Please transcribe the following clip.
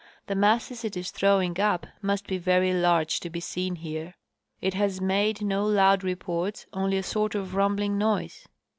The masses it is tlirowing up must be very large to be seen here. It has made no loud reports, only a sort of rum bling noise."